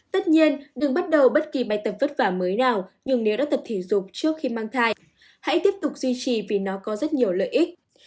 tất nhiên đừng bắt đầu bất kỳ bài tập vất vả mới nào nhưng nếu đã tập thể dục trước khi mang thai hãy tiếp tục duy trì vì nó có rất nhiều lợi ích